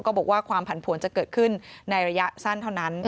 บอกว่าความผันผวนจะเกิดขึ้นในระยะสั้นเท่านั้น